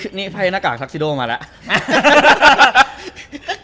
เมื่อกี้ไภหน้ากากทรักซิโดมาแล้ว